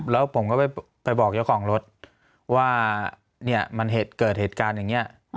แล้วผมก็ไปบอกเจ้าของรถว่าเนี่ยมันเกิดเหตุการณ์อย่างนี้